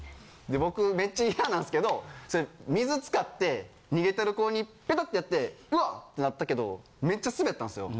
僕めっちゃ嫌なんですけど水使って逃げてる子にペタッてやって「うわっ！」ってなったけどめっちゃスベったんですよ。